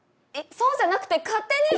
そうじゃなくて勝手に。